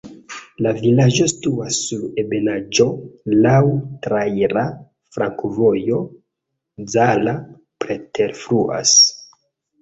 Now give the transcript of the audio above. La vilaĝo situas sur ebenaĵo, laŭ traira flankovojo, Zala preterfluas.